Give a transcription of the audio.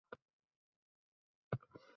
Men xizmat burchimni o’tamoqdaman